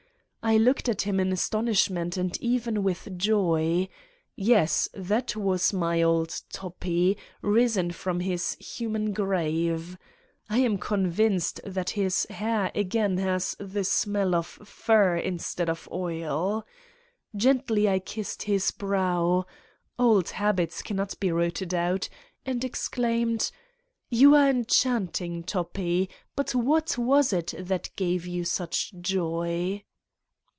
I looked at him in astonishment and even with joy: yes that was my old Toppi, risen from his human grave. ... I am convinced that his hair again has the smell of fur instead of oil! Gently I kissed his brow old habits cannot be rooted out , and exclaimed: "You are enchanting, Toppi! But what was it that gave you such joy?"